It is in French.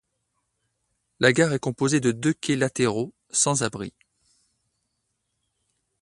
La gare est composée de deux quais latéraux, sans abri.